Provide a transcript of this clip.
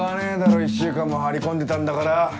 １週間も張り込んでたんだから。